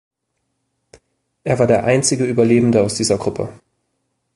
Er war der einzige Überlebende aus dieser Gruppe.